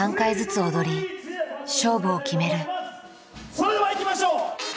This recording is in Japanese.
それではいきましょう！